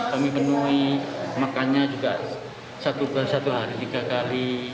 kami menui makannya juga satu hari tiga kali